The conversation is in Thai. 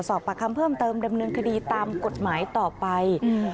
สอบปากคำเพิ่มเติมดำเนินคดีตามกฎหมายต่อไป